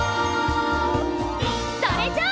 それじゃあ！